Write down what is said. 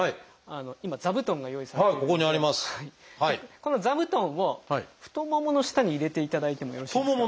この座布団を太ももの下に入れていただいてもよろしいですか？